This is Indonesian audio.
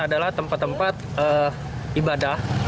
adalah tempat tempat ibadah